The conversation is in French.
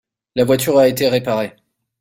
La voiture a été réparée.